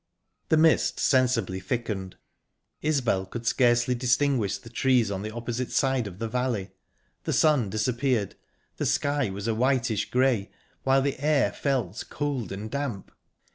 The mist sensibly thickened. Isbel could scarcely distinguish the trees on the opposite side of the valley. The sun disappeared, the sky was a whitish grey, while the air felt cold and damp.